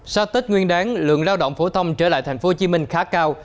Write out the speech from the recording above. sau tết nguyên đáng lượng lao động phổ thông trở lại tp hcm khá cao